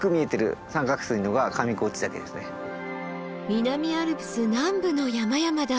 南アルプス南部の山々だ！